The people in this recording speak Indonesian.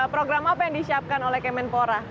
program apa yang disiapkan oleh kemenpora